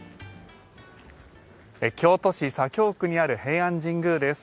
京都市左京区にある平安神宮です。